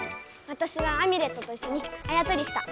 わたしはアミュレットといっしょにあやとりした！